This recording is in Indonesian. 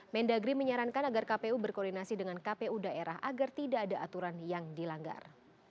mendagri menyarankan agar kpu berkoordinasi dengan kpu daerah agar tidak ada aturan yang dilanggar